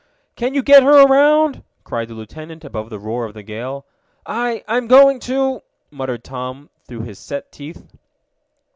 "Can you get her around?" cried the lieutenant above the roar of the gale. "I I'm going to!" muttered Tom through his set teeth.